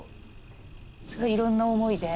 それいろんな思いで？